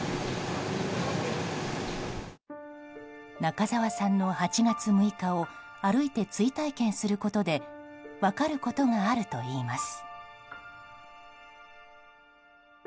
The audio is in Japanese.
中沢さんの８月６日を歩いて追体験することで分かることがあるといいます。